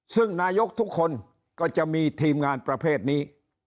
ซึ่งนายกทุกคนก็จะมีทีมงานประเภทนี้